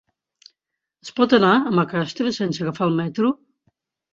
Es pot anar a Macastre sense agafar el metro?